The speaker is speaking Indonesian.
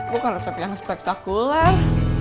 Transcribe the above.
bukan resep yang spektakuler